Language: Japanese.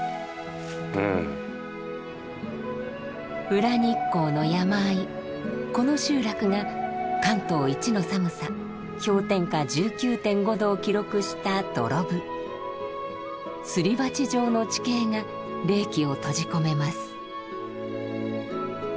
裏日光の山あいこの集落が関東一の寒さ氷点下１９．５℃を記録したすり鉢状の地形が冷気を閉じ込めます。